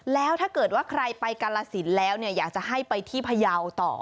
แล้วถ้าเกิดว่าใครไปกาลสินแล้วเนี่ยอยากจะให้ไปที่พยาวต่อ